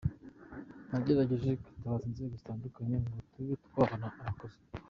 Nagerageje kwitabaza inzego zitandukanye ngo tube twabona abakozi.